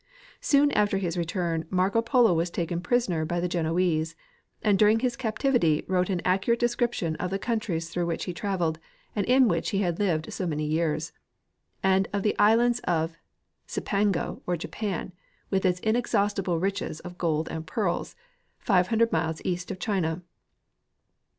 Soon after his return Marco Polo was taken prisoner by the Genoese, and during his captivity wrote an accurate description of the countries through which he traveled and in which he had lived so many years, and of the island of Cipango or Japan, with its inexhaustible riches of gold and pearls, 500 miles east of China.